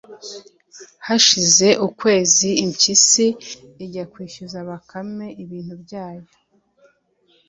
hashize ukwezi impyisi ijya kwishyuza bakame ibintu byayo